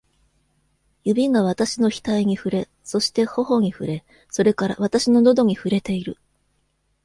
指が私の額に触れ、そして頬に触れ、それから私の喉に触れている！